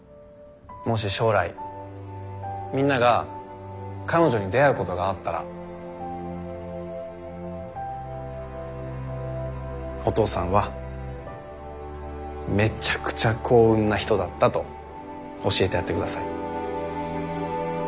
もし将来みんなが彼女に出会うことがあったらお父さんはめちゃくちゃ幸運なひとだったと教えてやってください。